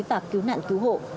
và cứu nạn cứu hộ